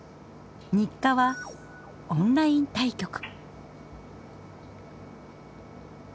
日課はオンライン対局。